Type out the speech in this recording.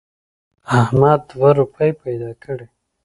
احمد دوه روپۍ پیدا کړې.